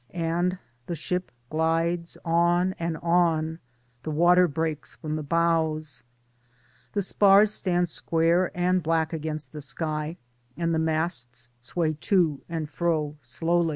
And the ship glides on and on ŌĆö the water breaks from the bows, The spars stand square and black against the sky, and the masts sway to and fro slowly.